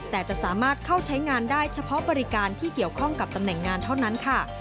แต่จะสามารถเข้าใช้งานได้เฉพาะบริการที่เกี่ยวข้องกับตำแหน่งงานเท่านั้นค่ะ